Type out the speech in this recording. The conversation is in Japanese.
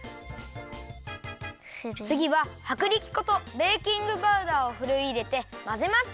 つぎははくりき粉とベーキングパウダーをふるいいれてまぜます！